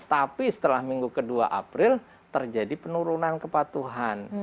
tapi setelah minggu ke dua april terjadi penurunan kepatuhan